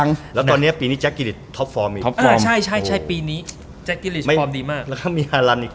คนที่จ่ายไม่ในแผงลุค